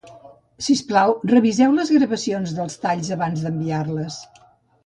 Sisplau, reviseu les gravacions dels talls abans d'enviar-les